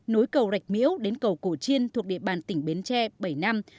nối cầu rạch miễu đến cầu cổ chiên thuộc địa bàn tỉnh bến tre bảy năm